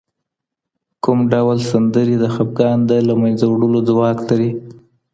کوم ډول سندري د خپګان د له منځه وړلو ځواک لري؟